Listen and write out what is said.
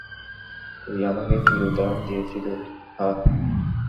তুই আমাকে কী উদাহরণ দিয়েছিলি, হাহ?